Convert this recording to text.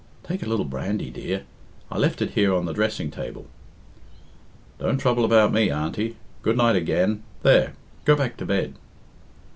"Take a little brandy, dear. I left it here on the dressing table." "Don't trouble about me, Auntie. Good night again. There! go back to bed."